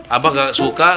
abah gak suka